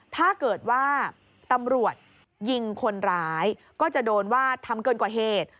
ถ้าเกิดว่าตำรวจยิงคนร้ายก็จะโดนว่าทำเกินกว่าเหตุ